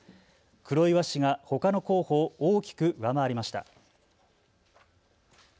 黒岩氏がほかの候補を大きく上回りました。